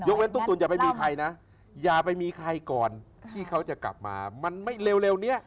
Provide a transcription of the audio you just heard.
เล่นตุ๊กตุ๋นอย่าไปมีใครนะอย่าไปมีใครก่อนที่เขาจะกลับมามันไม่เร็วนี้